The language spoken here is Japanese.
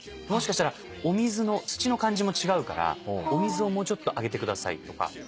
もしかしたらお水の土の感じも違うからお水をもうちょっとあげてくださいとか。